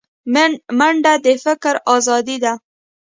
منډه د فکر ازادي ده